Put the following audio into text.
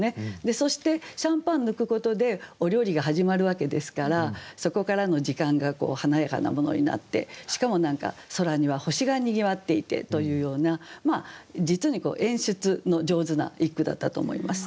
そしてシャンパン抜くことでお料理が始まるわけですからそこからの時間が華やかなものになってしかも何か空には星がにぎわっていてというような実に演出の上手な一句だったと思います。